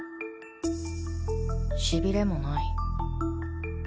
しびれもない